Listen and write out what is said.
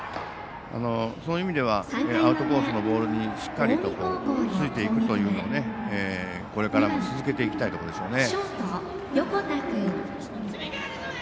そういう意味ではアウトコースのボールにしっかりとついていくというのをこれからも続けていきたいところですね。